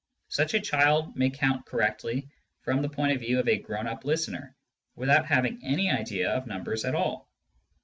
Such a child may count correctly from the point of view of a grown up listener, without having any idea of numbers at all.